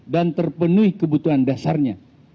dan terpenuhi kebutuhan dasarnya